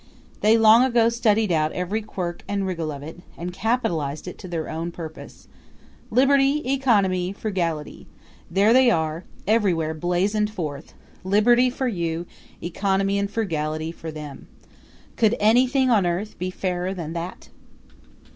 They long ago studied out every quirk and wriggle of it, and capitalized it to their own purpose. Liberality! Economy! Frugality! there they are, everywhere blazoned forth Liberality for you, Economy and Frugality for them. Could anything on earth be fairer than that?